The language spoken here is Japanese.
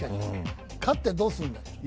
勝ってどうするんだよ。